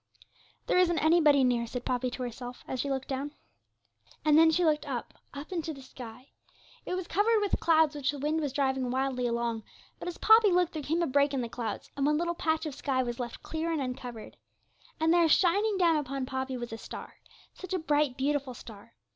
'There isn't anybody near,' said Poppy to herself, as she looked down. And then she looked up, up into the sky. It was covered with clouds which the wind was driving wildly along, but, as Poppy looked, there came a break in the clouds, and one little patch of sky was left clear and uncovered. And there, shining down upon Poppy, was a star, such a bright beautiful star.